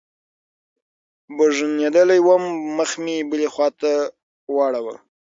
بوږنېدلى وم مخ مې بلې خوا ته واړاوه.